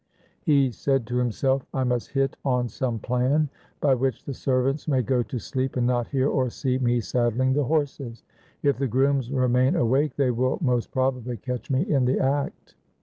He said to himself, ' I must hit on some plan by which the servants may go to sleep and not hear or see me saddling the horses. If the grooms remain awake, they will most probably catch me in the act.'